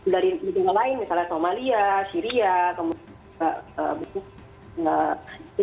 dari negara lain misalnya somalia syria kemudian